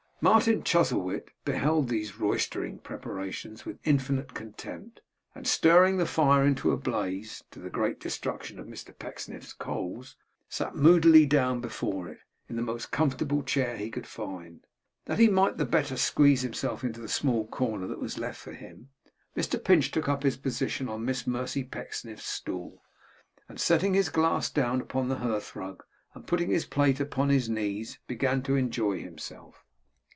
Martin Chuzzlewit beheld these roystering preparations with infinite contempt, and stirring the fire into a blaze (to the great destruction of Mr Pecksniff's coals), sat moodily down before it, in the most comfortable chair he could find. That he might the better squeeze himself into the small corner that was left for him, Mr Pinch took up his position on Miss Mercy Pecksniff's stool, and setting his glass down upon the hearthrug and putting his plate upon his knees, began to enjoy himself.